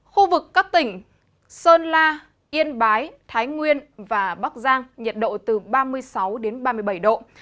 khu vực các tỉnh sơn la yên bái thái nguyên và bắc giang nhiệt độ từ ba mươi sáu đến ba mươi bảy độ